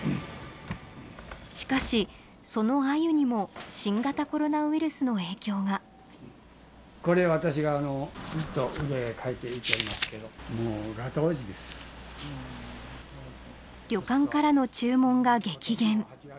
しかしそのアユにも新型コロナウイルスの影響が旅館からの注文が激減。